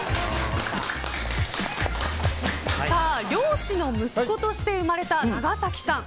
漁師の息子として生まれたながさきさん。